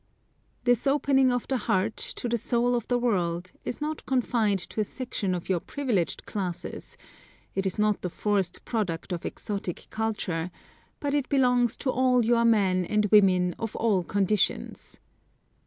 This opening of the heart to the soul of the world is not confined to a section of your privileged classes, it is not the forced product of exotic culture, but it belongs to all your men and women of all conditions.